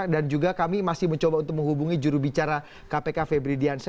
dan juga kami masih mencoba untuk menghubungi jurubicara kpk febri diansya